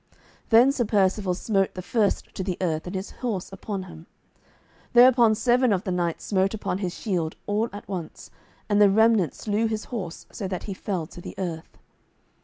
Then Sir Percivale smote the first to the earth, and his horse upon him. Thereupon seven of the knights smote upon his shield all at once, and the remnant slew his horse, so that he fell to the earth.